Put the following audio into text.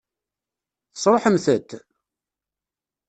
Tesṛuḥemt-t?